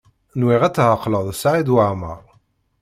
Nwiɣ ad tɛeqleḍ Saɛid Waɛmaṛ.